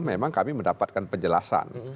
memang kami mendapatkan penjelasan